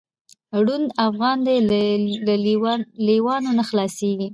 ړوند افغان دی له لېوانو نه خلاصیږي